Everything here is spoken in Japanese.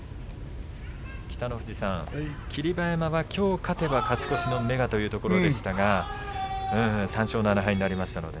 北の富士さん、霧馬山はきょう勝てば勝ち越しの目がというお話でしたが３勝７敗になりました。